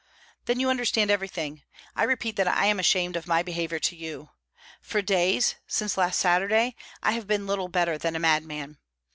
"Then you understand everything. I repeat that I am ashamed of my behaviour to you. For days since last Saturday I have been little better than a madman.